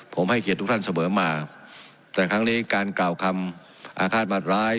ผมให้เกียรติทุกท่านเสมอมาแต่ครั้งนี้การกล่าวคำอาฆาตบาดร้าย